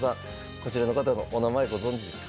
こちらの方のお名前ご存じですか？